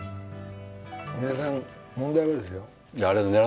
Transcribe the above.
水谷さん問題はですよ。